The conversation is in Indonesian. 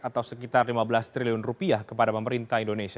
atau sekitar lima belas triliun rupiah kepada pemerintah indonesia